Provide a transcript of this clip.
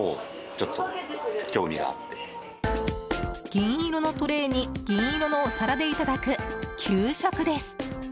銀色のトレーに銀色のお皿でいただく給食です。